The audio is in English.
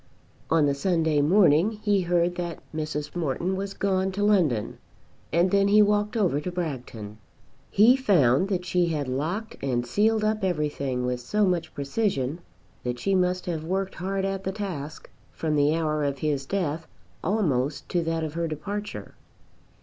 On the Sunday morning he heard that Mrs. Morton was gone to London, and then he walked over to Bragton. He found that she had locked and sealed up everything with so much precision that she must have worked hard at the task from the hour of his death almost to that of her departure.